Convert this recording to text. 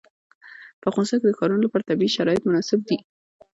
په افغانستان کې د ښارونه لپاره طبیعي شرایط مناسب دي.